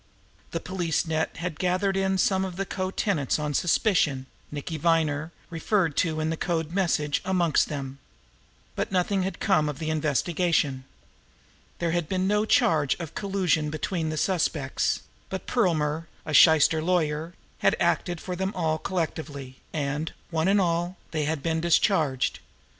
The police net had gathered in some of the co tenants on suspicion; Nicky Viner, referred to in the code message, amongst them. But nothing had come of the investigation. There had been no charge of collusion between the suspects; but Perlmer, a shyster lawyer, had acted for them all collectively, and, one and all, they had been discharged.